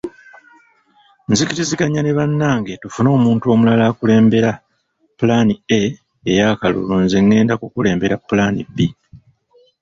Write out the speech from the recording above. Nzikiriziganyizza ne bannange tufune omuntu omulala akulembera pulaani A ey’akalulu nze ngenda kukulembera pulaani B.